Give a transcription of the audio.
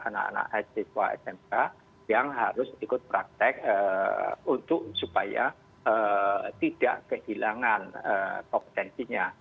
nah kelihatannya banyak juga anak anaknya siswa smk yang harus ikut praktek untuk supaya tidak kehilangan kompetensinya